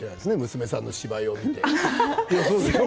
娘さんの芝居を見て。